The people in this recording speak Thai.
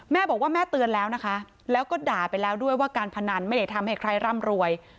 แม่บอกว่าแม่เตือนแล้วนะคะแล้วก็ด่าไปแล้วด้วยว่าการพนันไม่ได้ทำให้ใครร่ำรวย